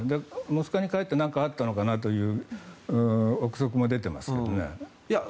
モスクワに帰って何かあったのかという憶測も出ていますね。